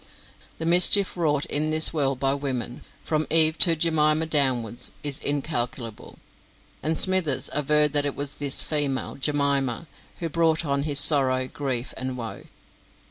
The mischief wrought in this world by women, from Eve to Jemima downwards, is incalculable, and Smithers averred that it was this female, Jemima, who brought on his sorrow, grief, and woe.